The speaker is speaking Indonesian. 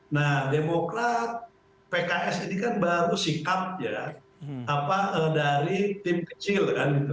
nah demokrat pks ini kan baru sikap ya dari tim kecil kan gitu